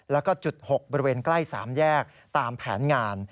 แล้วก็จุด๖บริเวณใกล้๓แยกตามแผนงาน